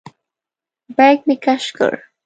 بیک مې کش کړ.